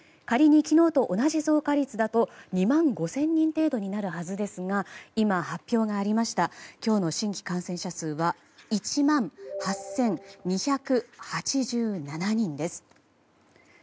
仮に昨日と同じ増加率だと２万５０００人程度になるはずですが今、発表がありました今日の新規感染者数は１万８２８７人です。